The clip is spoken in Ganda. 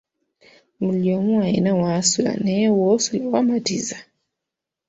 Buli omu alina w'asula, naye w'osula wamatiza?